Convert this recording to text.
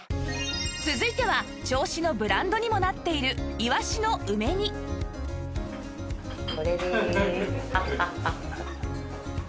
続いては銚子のブランドにもなっているうん！